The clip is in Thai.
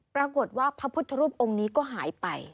ปรากฏว่าพระพุทธรูปองค์นี้ก็หายไป